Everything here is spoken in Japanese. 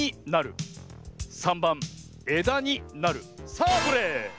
さあどれ？